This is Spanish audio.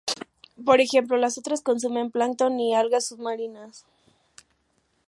Por ejemplo, las ostras consumen plancton y algas submarinas.